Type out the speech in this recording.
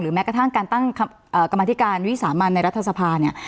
แม้กระทั่งการตั้งกรรมธิการวิสามันในรัฐสภาเนี่ย